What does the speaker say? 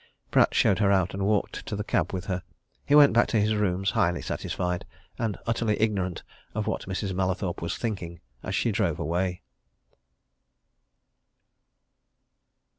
Pratt showed her out, and walked to the cab with her. He went back to his rooms highly satisfied and utterly ignorant of what Mrs. Mallathorpe was thinking as she drove away.